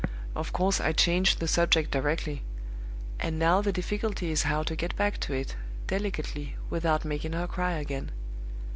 Of course, I changed the subject directly. And now the difficulty is how to get back to it, delicately, without making her cry again.